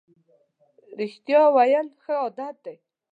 رښتیا ویل ښه عادت دی.